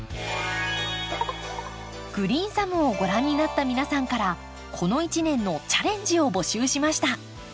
「グリーンサム」をご覧になった皆さんからこの１年のチャレンジを募集しました。